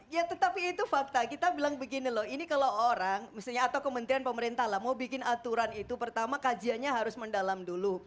ya tetapi itu fakta kita bilang begini loh ini kalau orang misalnya atau kementerian pemerintah lah mau bikin aturan itu pertama kajiannya harus mendalam dulu